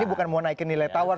ini bukan mau naikin nilai tawar